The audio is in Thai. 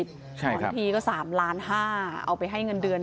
บางทีก็๓ล้าน๕เอาไปให้เงินเดือน